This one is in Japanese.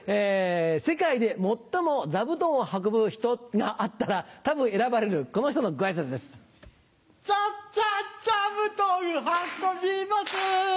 世界で最も座布団を運ぶ人があったら多分選ばれるこの人のご挨拶です。ざざ座布団運びます